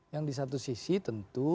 yang di satu sisi tentu